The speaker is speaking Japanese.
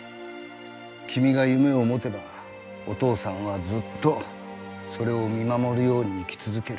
君が夢を持てばお父さんはずっとそれを見守るように生き続ける。